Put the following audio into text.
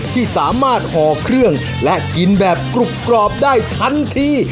ที่สามารถห่อเครื่องและกินแบบกรุบกรอบได้ทันที